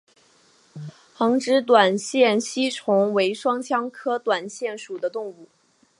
横殖短腺吸虫为双腔科短腺属的动物。